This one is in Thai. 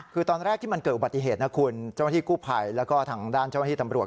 คือตอนแรกที่มันเกิดอุบัติเหตุนะคุณเจ้าหน้าที่กู้ภัยแล้วก็ทางด้านเจ้าหน้าที่ตำรวจ